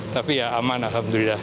tapi ya aman alhamdulillah